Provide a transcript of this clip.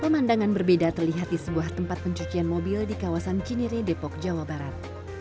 pemandangan berbeda terlihat di sebuah tempat pencucian mobil di kawasan cinire depok jawa barat